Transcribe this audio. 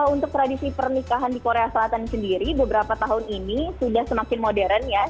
untuk tradisi pernikahan di korea selatan sendiri beberapa tahun ini sudah semakin modern ya